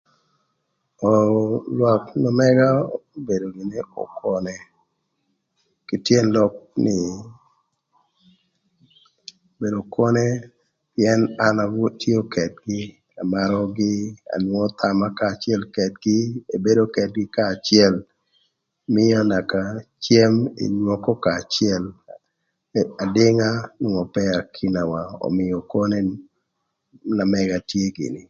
Oo lwak na mëga obedo gïnï okone, kï tyën lok nï, obedo okone pïën an atio ködgï amarögï, anwongo thama kanya acël ködgï, ebedo ködgï kanya acël, mïö naka cem enywoko kanya acël, adïnga nwongo ope ï akinawa ömïö okone na mëga tye gïnï.